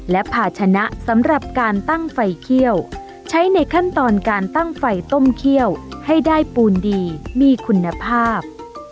และภาชนะสำหรับการตั้งไฟเขี้ยวใช้ในขั้นตอนการตั้งไฟต้มเขี้ยวให้ได้ปูนดีมีคุณภาพ